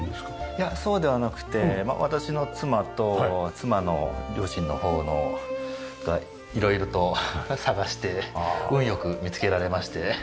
いやそうではなくて私の妻と妻の両親の方が色々と探して運よく見つけられまして。